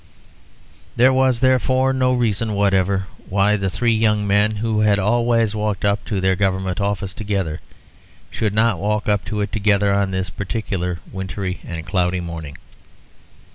There was therefore no reason whatever why the three young men who had always walked up to their Government office together should not walk up to it together on this particular wintry and cloudy morning.